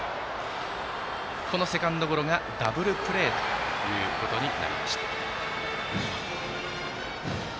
このセカンドゴロがダブルプレーとなりました。